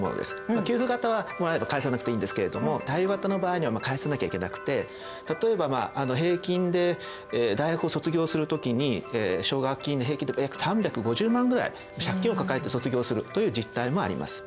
給付型はもらえば返さなくていいんですけれども貸与型の場合には返さなきゃいけなくて例えば平均で大学を卒業するときに奨学金で平均で約３５０万ぐらい借金を抱えて卒業するという実態もあります。